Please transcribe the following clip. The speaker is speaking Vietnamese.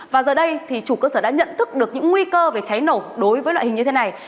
và giờ đây thì chủ cơ sở đã nhận thức được những nguy cơ về cháy nổ đối với loại hình như thế này